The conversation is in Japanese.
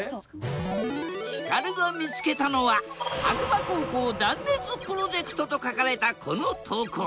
ヒカルが見つけたのは白馬高校断熱プロジェクトと書かれたこの投稿。